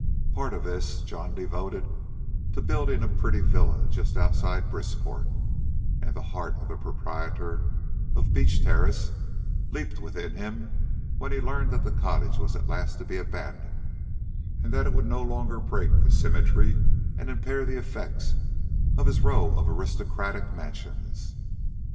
Part of this John devoted to building a pretty villa just outside Brisport, and the heart of the proprietor of Beach Terrace leaped within him when he learned that the cottage was at last to be abandoned, and that it would no longer break the symmetry and impair the effect of his row of aristocratic mansions.